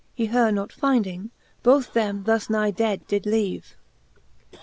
He her not finding, both them thus nigh dead did leave.